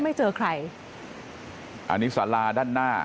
ไม่เจอใครอันนี้สาราด้านหน้า